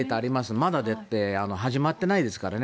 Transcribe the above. まだ始まってないですからね。